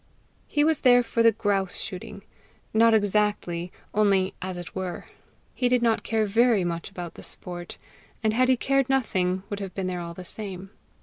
He was there for the grouse shooting not exactly, only "as it were." He did not care VERY much about the sport, and had he cared nothing, would have been there all the same.